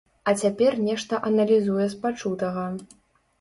А цяпер нешта аналізуе з пачутага.